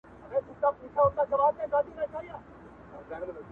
ټلیفونان او انټرنیټ قطع وي